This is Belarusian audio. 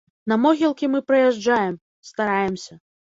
На могілкі мы прыязджаем, стараемся.